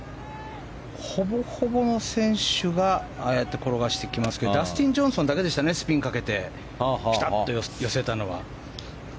ほぼほぼの選手が、ああやって転がしてきますけどダスティン・ジョンソンだけでしたね、スピンをかけてピタッと寄せたのは。